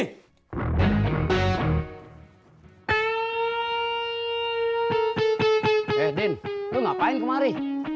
eh din gue ngapain kemari